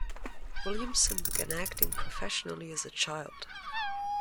Williamson began acting professionally as a child.